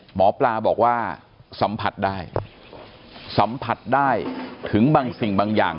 หมอปลาบอกว่าสัมผัสได้สัมผัสได้ถึงบางสิ่งบางอย่าง